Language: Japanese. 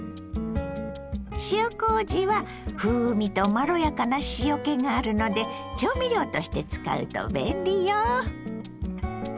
塩こうじは風味とまろやかな塩けがあるので調味料として使うと便利よ。